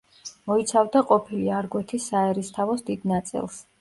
მოიცავდა ყოფილი არგვეთის საერისთავოს დიდ ნაწილს.